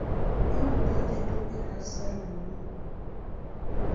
Á ndù tɔ̀ánjɛ tu bɛkasala luǝ́ ú nioni.